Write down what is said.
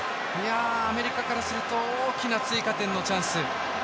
アメリカからすると大きな追加点のチャンス。